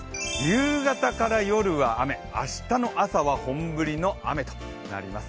夕方から夜は雨、明日の朝は本降りの雨となります。